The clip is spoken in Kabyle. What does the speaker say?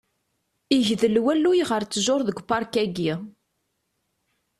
Igdel walluy ɣer ttjuṛ deg upark-ayi.